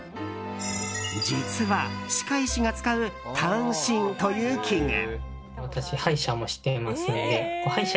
実は、歯科医師が使う探針という器具。